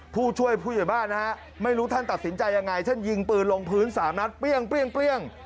ผู้ช่วยผู้หญิงบ้านนะฮะไม่รู้ท่านตัดสินใจยังไงเช่นยิงปืนลงพื้น๓นัทเปรี้ยงเปรี้ยงเปรี้ยง